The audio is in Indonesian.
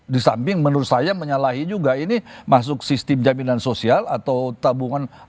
di samping menurut saya menyalahi juga ini masuk sistem jaminan sosial atau tabungan